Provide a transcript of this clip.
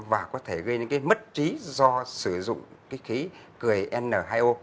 và có thể gây đến mất trí do sử dụng khí cười nhio